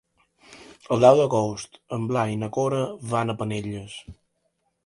El deu d'agost en Blai i na Cora van a Penelles.